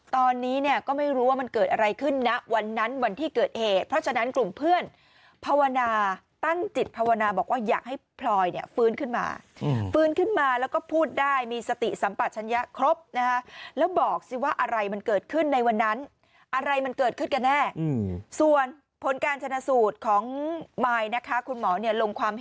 ตอนนี้เนี่ยก็ไม่รู้ว่ามันเกิดอะไรขึ้นนะวันนั้นวันที่เกิดเหตุเพราะฉะนั้นกลุ่มเพื่อนภาวนาตั้งจิตภาวนาบอกว่าอยากให้พลอยเนี่ยฟื้นขึ้นมาฟื้นขึ้นมาแล้วก็พูดได้มีสติสัมปัชญะครบนะคะแล้วบอกสิว่าอะไรมันเกิดขึ้นในวันนั้นอะไรมันเกิดขึ้นกันแน่ส่วนผลการชนะสูตรของมายนะคะคุณหมอเนี่ยลงความเห็น